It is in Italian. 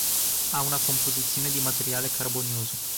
Ha una composizione di materiale carbonioso.